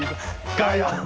「ガヤ！